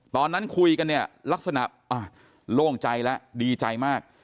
ตอนนั้นคุยกันเนี่ยลักษณะโล่งใจแล้วดีใจมาก